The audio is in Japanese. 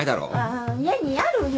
あ家にあるよ